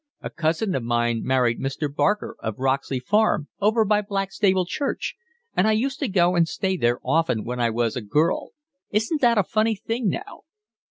A cousin of mine married Mr. Barker of Roxley Farm, over by Blackstable Church, and I used to go and stay there often when I was a girl. Isn't that a funny thing now?"